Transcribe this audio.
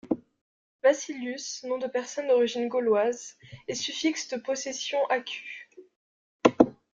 Vassillius, nom de personne d’origine gauloise, et suffixe de possession acus.